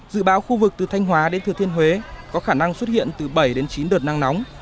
dự báo khu vực từ thanh hóa đến thừa thiên huế có khả năng xuất hiện từ bảy đến chín đợt nắng nóng